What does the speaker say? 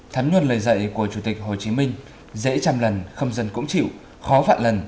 thám luận lời dạy của chủ tịch hồ chí minh dễ trăm lần không dần cũng chịu khó vạn lần